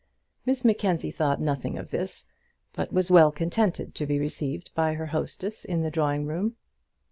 Miss Mackenzie thought nothing of this, but was well contented to be received by her hostess in the drawing room.